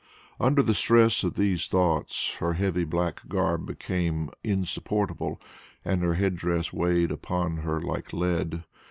Under the stress of these thoughts her heavy black garb became insupportable, and her head dress weighed upon her like lead.